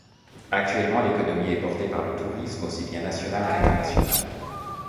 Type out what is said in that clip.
Actuellement l'économie est portée par le tourisme aussi bien national qu'international.